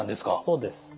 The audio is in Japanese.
そうです。